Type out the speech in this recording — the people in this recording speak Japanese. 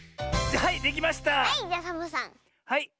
はい。